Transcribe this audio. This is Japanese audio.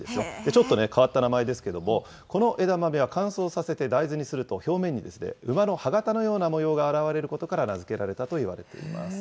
ちょっとね、変わった名前ですけれども、この枝豆は乾燥させて大豆にすると、表面に馬の歯形のような模様が現れることから、名付けられたといわれています。